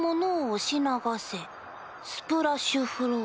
スプラッシュ・フロウ。